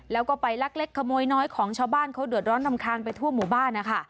แล้วก็ไปลักเล็กขโมยน้อยของชาวบ้านเขาเดือดร้อนรำคาญไปทั่วหมู่บ้านนะคะ